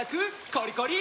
コリコリ！